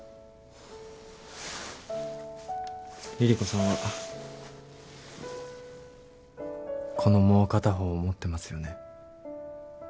凛々子さんはこのもう片方を持ってますよね？